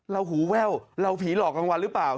หูแว่วเราผีหลอกกลางวันหรือเปล่า